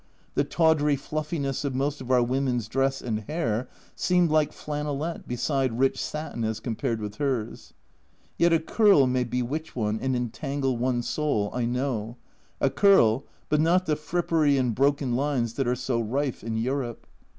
The tawdry fluffiness of most of our women's dress and hair seemed like flannelette beside rich satin as compared with her. Yet a curl may bewitch one and entangle one's soul, I know a curl, but not the frippery and broken lines that are so rife in Europe.